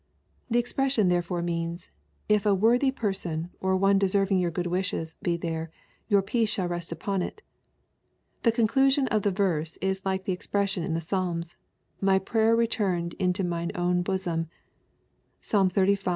The expression therefore means, " If a worthy person, or one deserving your good wishes, be there, your peace shall rest upon it." The conclusion of the verse is iflce the ex pression in the Psalms, "My prayer returned into mine own bosom." (Psalm xxxv.